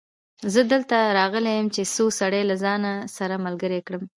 زه دلته راغلی يم چې څو سړي له ځانه سره ملګري کړم.